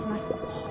はい。